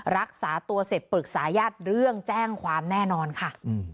รักษาตัวเสร็จปรึกษาญาติเรื่องแจ้งความแน่นอนค่ะ